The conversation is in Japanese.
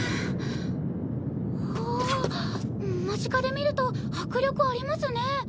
おお間近で見ると迫力ありますね。